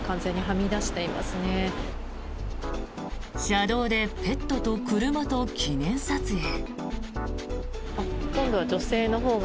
車道でペットと車と記念撮影。